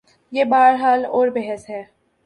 یہ بہرحال اور بحث ہے۔